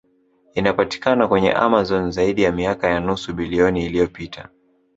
Inapatikana kwenye Amazon Zaidi ya miaka ya nusu bilioni iliyopita